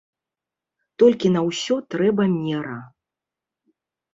Толькі на ўсё трэба мера.